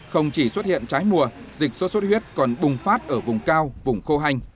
không chỉ xuất hiện trái mùa dịch sốt xuất huyết còn bùng phát ở vùng cao vùng khô hanh